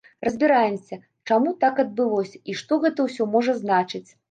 Разбіраемся, чаму так адбылося і што гэта ўсё можа значыць.